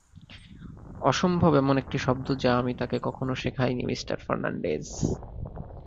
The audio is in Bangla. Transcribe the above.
অসম্ভব এমন একটি শব্দ যা আমি তাকে কখনো শেখাইনি মিস্টার ফার্নান্ডেজ।